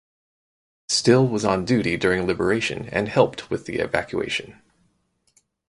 Still was on duty during liberation and helped with the evacuation.